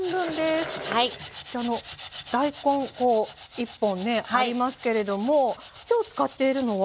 大根１本ねありますけれども今日使っているのは。